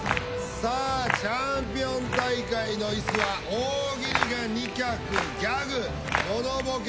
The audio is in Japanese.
さあ「チャンピオン大会」の椅子は大喜利が２脚ギャグものボケ